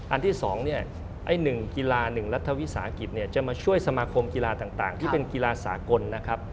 ที่๒เนี่ยไอ้๑กีฬา๑รัฐวิสาหกิจเนี่ยจะมาช่วยสมาคมกีฬาต่างที่เป็นกีฬาสากลนะครับ